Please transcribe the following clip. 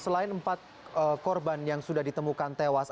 selain empat korban yang sudah ditemukan tewas